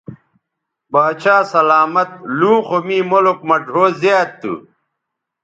باچھا سلامت لوں خو می ملک مہ ڙھؤ زیات تھو